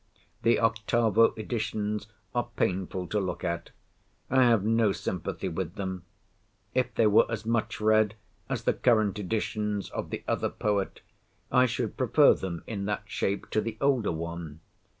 The Octavo editions are painful to look at. I have no sympathy with them. If they were as much read as the current editions of the other poet, I should prefer them in that shape to the older one.